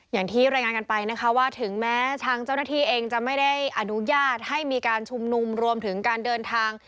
อย่างที่รายงานกันไปนะคะว่าถึงแม้ทางเจ้าหน้าที่เองจะไม่ได้อนุญาตให้มีการชุมนุมรวมถึงการเดินทาง